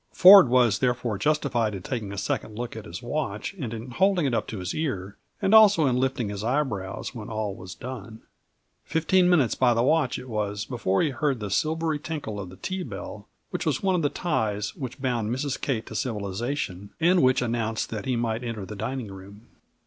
Ford was therefore justified in taking the second look at his watch and in holding it up to his ear, and also in lifting his eyebrows when all was done. Fifteen minutes by the watch it was before he heard the silvery tinkle of the tea bell, which was one of the ties which bound Mrs. Kate to civilization, and which announced that he might enter the dining room.